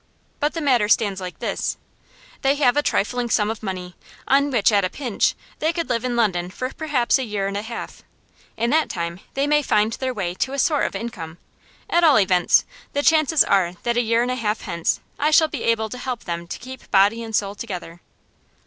But the matter stands like this. They have a trifling sum of money, on which, at a pinch, they could live in London for perhaps a year and a half. In that time they may find their way to a sort of income; at all events, the chances are that a year and a half hence I shall be able to help them to keep body and soul together.